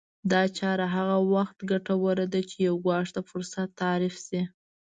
دا چاره هغه وخت ګټوره ده چې يو ګواښ ته فرصت تعريف شي.